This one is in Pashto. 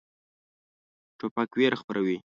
توپک ویره خپروي.